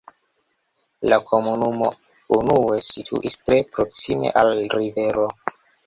La komunumo unue situis tre proksime al rivero.